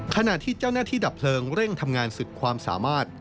ขณะที่เจ้าหน้าที่ดับเพลิงเร่งทำงานสุดความสามารถ